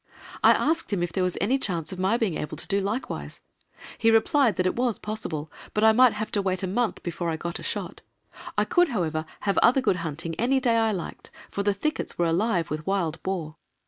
I asked him if there was any chance of my being able to do likewise. He replied that it was possible, but I might have to wait a month before I got a shot; I could, however, have other good hunting any day I liked, for the thickets were alive with wild boar.